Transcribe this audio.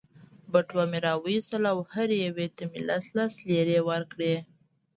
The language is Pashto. بټوه مې را وایستل او هرې یوې ته مې لس لس لیرې ورکړې.